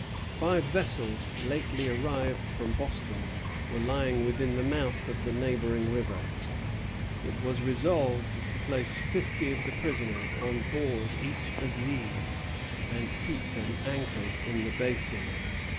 Five vessels, lately arrived from Boston, were lying within the mouth of the neighboring river. It was resolved to place fifty of the prisoners on board each of these, and keep them anchored in the Basin.